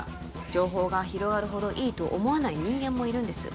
情報が広がるほどいいと思わない人間もいるんです